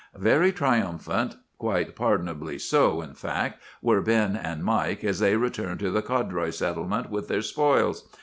"Very triumphant, quite pardonably so, in fact, were Ben and Mike as they returned to the Codroy settlement with their spoils.